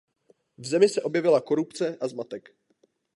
V zemi se objevila korupce a zmatek.